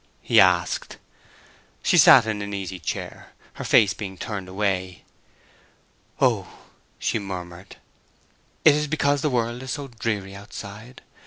he asked. She sat in an easy chair, her face being turned away. "Oh," she murmured, "it is because the world is so dreary outside.